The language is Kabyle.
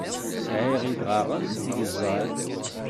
Sɛiɣ idɣaɣen deg tgeẓẓal.